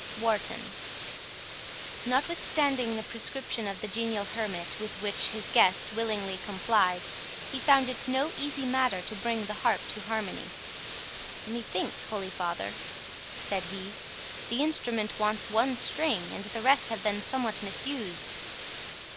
WARTON Notwithstanding the prescription of the genial hermit, with which his guest willingly complied, he found it no easy matter to bring the harp to harmony. "Methinks, holy father," said he, "the instrument wants one string, and the rest have been somewhat misused."